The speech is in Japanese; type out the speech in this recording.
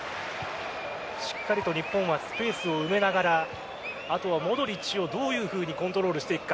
しっかりと日本はスペースを埋めながらあとはモドリッチをどういうふうにコントロールしていくか。